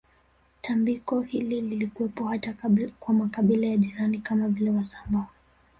Tambiko hili lilikuwepo hata kwa makabila ya jirani kama vile wasambaa